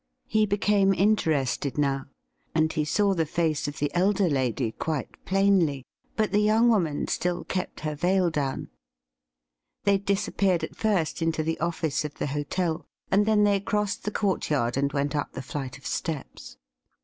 He became interested now, and he saw the face of the elder lady quite plainly, but the young woman still kept her veil down. They disappeared at first into the office of the hotel, and then they crossed the courtyard and went up the flight of steps.